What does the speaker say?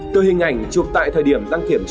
từ hình ảnh chụp tại thời điểm đăng kiểm cho thấy